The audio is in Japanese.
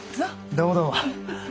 どうもどうも。